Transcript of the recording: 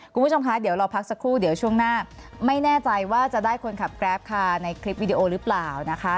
คุณผู้ชมคะเดี๋ยวเราพักสักครู่เดี๋ยวช่วงหน้าไม่แน่ใจว่าจะได้คนขับแกรปคาในคลิปวิดีโอหรือเปล่านะคะ